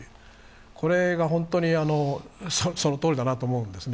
これが本当にそのとおりだなと思うんですね。